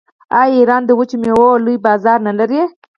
آیا ایران د وچو میوو لوی بازار نلري؟